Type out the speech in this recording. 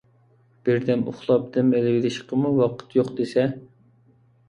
بىردەم ئۇخلاپ دەم ئېلىۋېلىشقىمۇ ۋاقىت يوق دېسە.